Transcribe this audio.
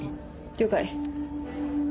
了解。